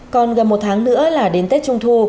còn gần một tháng nữa là đến tết trung thu